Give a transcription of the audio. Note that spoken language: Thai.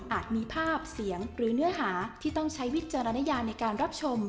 มีภาพเสียงหรือเนื้อหาที่ต้องใช้วิจารณญาในการรับชม